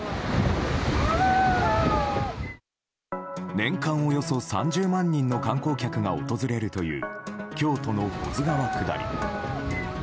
年間およそ３０万人の観光客が訪れるという京都の保津川下り。